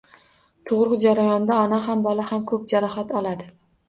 Tug`ruq jarayonida ona ham, bola ham ko`p jarohat oladi